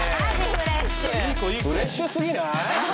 フレッシュすぎない？